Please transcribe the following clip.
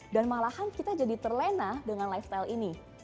dan malahan kita jadi terlena dengan lifestyle ini